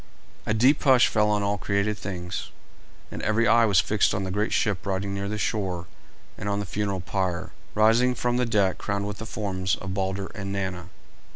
A deep hush fell on all created things, and every eye was fixed on the great ship riding near the shore, and on the funeral pyre rising from the deck crowned with the forms of Balder and Nanna.